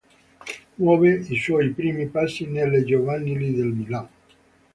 Muove i suoi primi passi nelle giovanili del Milan.